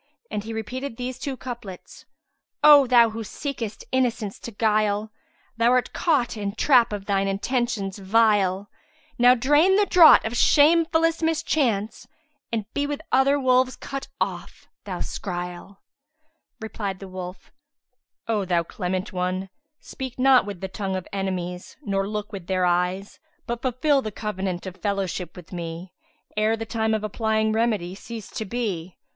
And he repeated these two couplets, "O thou who seekest innocence to 'guile, * Thou'rt caught in trap of thine intentions vile: Now drain the draught of shamefullest mischance, * And be with other wolves cut off, thou scroyle!" Replied the wolf, "O thou clement one, speak not with the tongue of enemies nor look with their eyes; but fulfil the covenant of fellowship with me, ere the time of applying remedy cease to be.